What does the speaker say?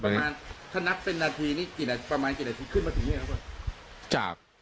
ถ้านับเป็นนาทีนี่ประมาณกี่นาทีขึ้นมาถึงนี่นะครับ